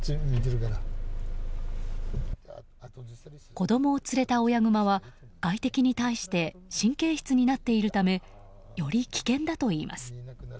子供を連れた親グマは外敵に対して神経質になっているためより危険だといいます。